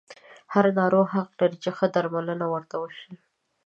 هر ناروغ حق لري چې ښه درملنه ورته وشي.